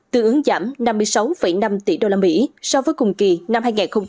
tư ứng giảm năm mươi sáu năm tỷ đô la mỹ so với cùng kỳ năm hai nghìn hai mươi hai